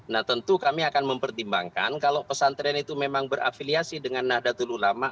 nah tentu kami akan mempertimbangkan kalau pesantren itu memang berafiliasi dengan nahdlatul ulama